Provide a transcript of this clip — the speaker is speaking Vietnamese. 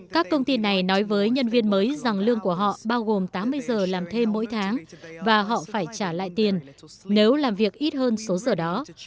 các công ty này nói với nhân viên mới rằng lương của họ bao gồm tám mươi giờ làm thêm mỗi tháng và họ phải trả lại tiền nếu làm việc ít hơn số giờ đó